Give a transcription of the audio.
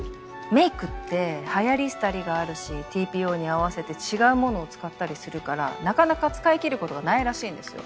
メイクってはやり廃りがあるしＴＰＯに合わせて違うものを使ったりするからなかなか使い切ることがないらしいんです。